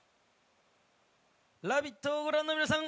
「ラヴィット！」をご覧の皆さん